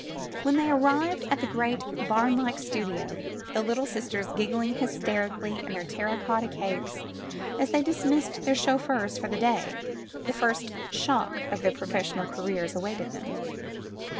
When they arrived at the great bamlike studio, the Little Sisters, giggling hysterically in their terra cotta capes as they dismissed their chauffeurs for the day, the first shock of their professional careers awaited them.